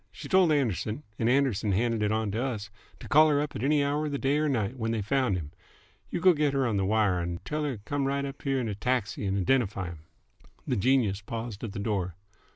She told Anderson's and Anderson's handed it on to us to call her up any hour of the day 'r night when they found him. You go get her on the wire and t'll her t' come right up here'n a taxi and identify him." The genius paused at the door.